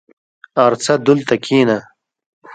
ارڅه دولته کينه.